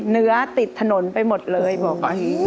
เนื้อติดถนนไปหมดเลยบอก๓๒๐๐๐๗๐๐๗